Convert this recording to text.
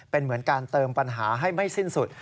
เป็นเหมือนการเติมปัญหาให้ไม่สิ้นสุด